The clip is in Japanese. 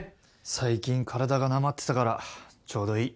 最近体がなまってたからちょうどいい。